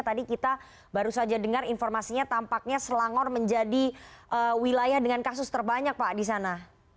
tadi kita baru saja dengar informasinya tampaknya selangor menjadi wilayah dengan kasus terbanyak pak di sana